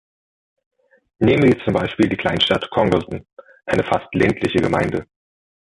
Nehmen Sie zum Beispiel die Kleinstadt Congleton, eine fast ländliche Gemeinde.